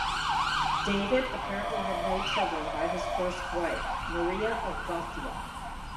David apparently had no children by his first wife Maria of Gothia.